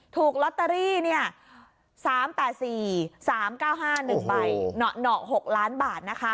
ถูกลอตเตอรี่๓๘๔๓๙๕๑ใบเหนาะ๖ล้านบาทนะคะ